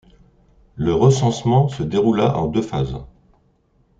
Le recensement se déroula en deux phases.